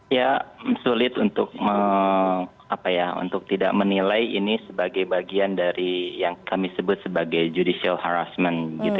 ya sulit untuk tidak menilai ini sebagai bagian dari yang kami sebut sebagai judicial harassment